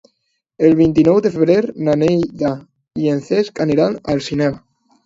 El vint-i-nou de febrer na Neida i en Cesc aniran al cinema.